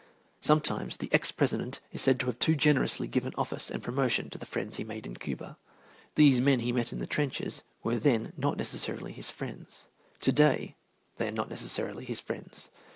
Sometimes the ex President is said to have too generously given office and promotion to the friends he made in Cuba. These men he met in the trenches were then not necessarily his friends. To day they are not necessarily his friends.